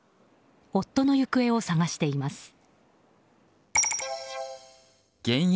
夫の行方を捜しています。